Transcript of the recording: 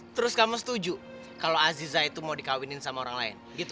terus kamu setuju kalau aziza itu mau dikawinin sama orang lain